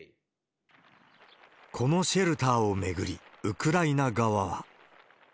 このシェルターを巡り、ウクライナ側は。